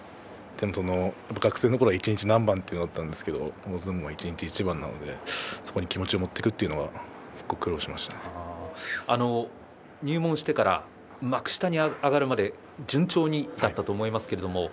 学生のころは一日何番ということだったんですけど大相撲は一日一番なのでそこに気持ちを入門してから幕下に上がるまで順調だったと思います。